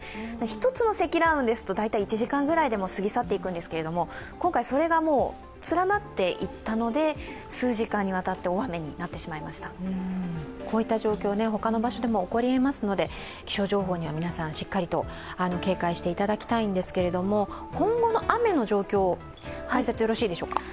一つの積乱雲ですと大体１時間ぐらいで過ぎ去っていくんですけど今回それが連なっていったので、数時間にわたってこういった状況、ほかの場所でも起こりえますので気象情報にはしっかりと警戒していただきたいんですけど今後の雨の状況の解説よろしいでしょうか？